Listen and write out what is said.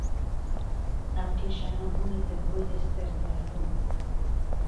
ئەم کێشانە بوونەتە هۆی دەستبەرداربوون